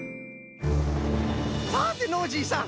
さてノージーさん！